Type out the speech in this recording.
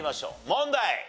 問題！